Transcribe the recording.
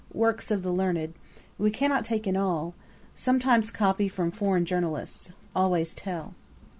Works of the learned. We cannot take in all. Sometimes copy from foreign Journalists. Always tell.'